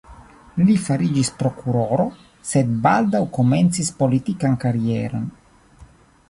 Li fariĝis prokuroro, sed baldaŭ komencis politikan karieron.